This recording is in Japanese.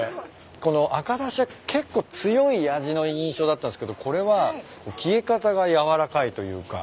この赤だしは結構強い味の印象だったんですけどこれは消え方が柔らかいというか。